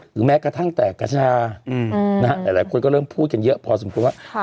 แม้กระทั่งแตกกระชาหลายคนก็เริ่มพูดกันเยอะพอสมควรว่า